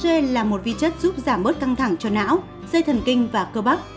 mage là một vi chất giúp giảm bớt căng thẳng cho não dây thần kinh và cơ bắc